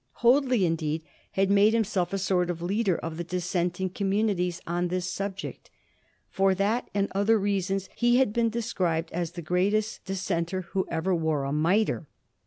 Hoadley, indeed, had made himself a sort of leader of the dissenting communities on this sub ject. For that and other reasons he had been described as the greatest Dissenter who ever wore a mitre.